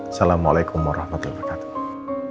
assalamualaikum warahmatullahi wabarakatuh